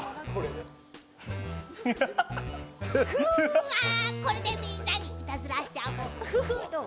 うーわ、これでみんなにいたずらしちゃおう、どう？